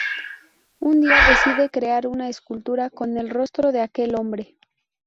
Un día decide crear una escultura con el rostro de aquel hombre.